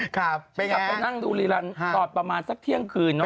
กลับไปนั่งดูริรันดร์ตอบประมาณซักเที่ยงคืน